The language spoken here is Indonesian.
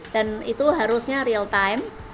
dan itu harusnya real time